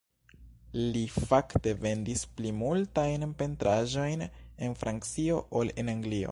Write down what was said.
Li fakte vendis pli multajn pentraĵojn en Francio ol en Anglio.